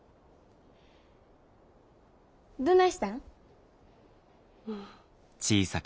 どないしたん？